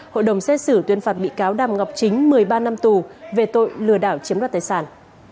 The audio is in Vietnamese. hội đồng xét xử tuyên phạt bị cáo đàm ngọc chính một mươi ba năm tù về tội lừa đảo chiếm đoạt tài sản